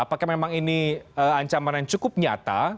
apakah memang ini ancaman yang cukup nyata